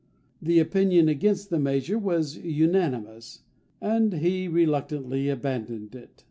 The opinion against the measure was unanimous, and he reluctantly abandoned it.